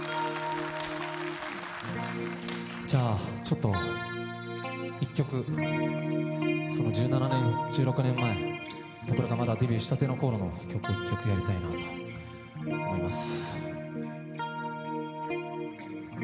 じゃあ、ちょっと１曲その１７年、１６年前、僕らがまだデビューしたての頃の曲を１曲やりたいなと思います。